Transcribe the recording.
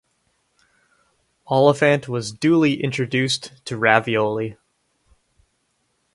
Oliphant was duly introduced to ravioli.